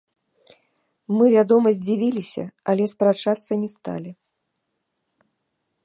Мы, вядома, здзівіліся, але спрачацца не сталі.